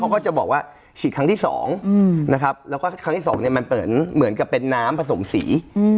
เขาก็จะบอกว่าฉีดครั้งที่๒นะครับแล้วก็ครั้งที่สองเนี่ยมันเหมือนกับเป็นน้ำผสมสี